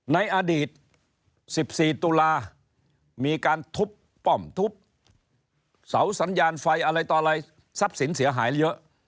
ในอดีต๑๔ตุลามีการทุบป้อมทุบเสาสัญญาณไฟอะไรต่ออะไรทรัพย์สินเสียหายเยอะ